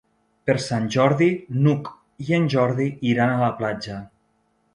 Per Sant Jordi n'Hug i en Jordi iran a la platja.